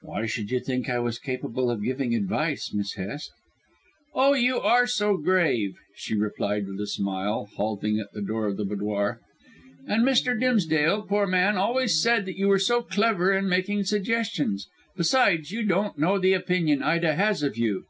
"Why should you think I was capable of giving advice, Miss Hest?" "Oh, you are so grave," she replied with a smile and halting at the door of the boudoir, "and Mr. Dimsdale, poor man, always said that you were so clever in making suggestions. Besides, you don't know the opinion Ida has of you.